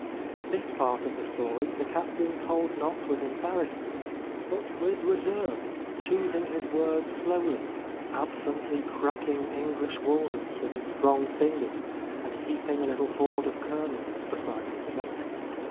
This part of the story the Captain told not with embarrassment, but with reserve, choosing his words slowly, absently cracking Eng lish walnuts with his strong fingers and heaping a little hoard of kernels beside his plate.